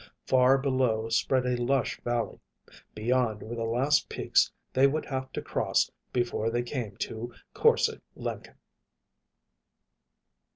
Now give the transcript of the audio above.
Far below spread a lush valley. Beyond were the last peaks they would have to cross before they came to Korse Lenken.